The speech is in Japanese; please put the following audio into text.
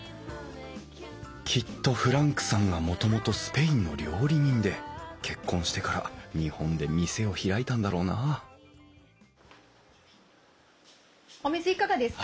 きっとフランクさんがもともとスペインの料理人で結婚してから日本で店を開いたんだろうなお水いかがですか？